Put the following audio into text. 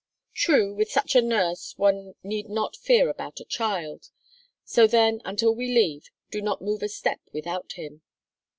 "True! With such a nurse one need not fear about a child. So then, until we leave, do not move a step without him."